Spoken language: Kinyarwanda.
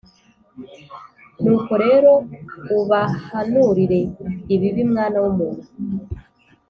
Nuko rero ubahanurire ibibi mwana w umuntu